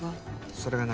それが何？